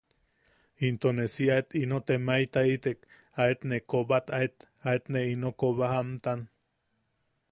Into ne si aet ino temaetaitek aet, ne koba aet, aet ne ino koba jamtan.